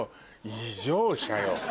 異常者よ。